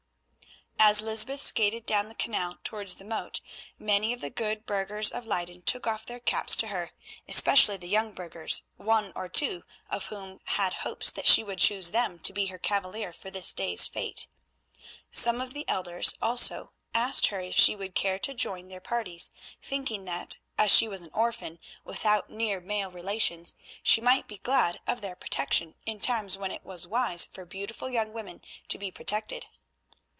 As Lysbeth skated down the canal towards the moat many of the good burghers of Leyden took off their caps to her, especially the young burghers, one or two of whom had hopes that she would choose them to be her cavalier for this day's fete. Some of the elders, also, asked her if she would care to join their parties, thinking that, as she was an orphan without near male relations, she might be glad of their protection in times when it was wise for beautiful young women to be protected.